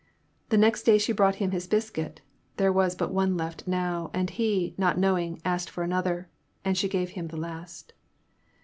The next day she brought him his biscuit, there was but one left now, and he, not knowing, asked for another, and she gave him the last.